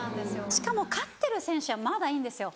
しかも勝ってる選手はまだいいんですよ。